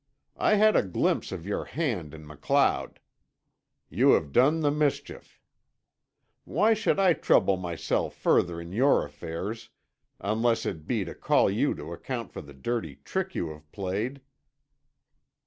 I had a glimpse of your hand in MacLeod. You have done the mischief. Why should I trouble myself further in your affairs, unless it be to call you to account for the dirty trick you have played?"